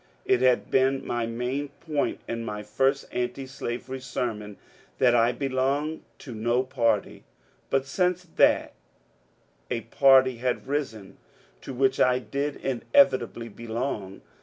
It had been my main point in my first anti slavery sermon that I belonged to no party, but since that a party had arisen to which I did inevitably belong.